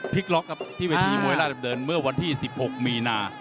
พลิกล็อกครับที่เวทีมวยล่าจับเดินเมื่อวันที่๑๖มีนา